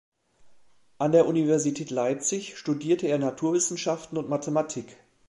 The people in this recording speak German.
An der Universität Leipzig studierte er Naturwissenschaften und Mathematik.